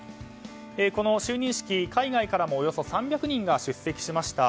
この就任式、海外からもおよそ３００人が出席しました。